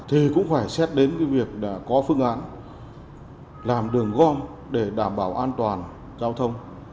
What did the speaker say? thì cũng phải xét đến cái việc đã có phương án làm đường gom để đảm bảo an toàn giao thông